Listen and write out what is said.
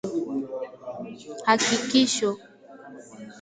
Hakikisho.